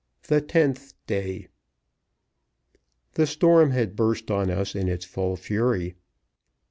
THE TENTH DAY. THE storm has burst on us in its full fury.